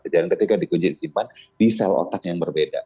kejadian ketiga dikunci disimpan di sel otak yang berbeda